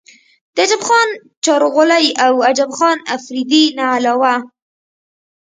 د عجب خان چارغولۍ او عجب خان افريدي نه علاوه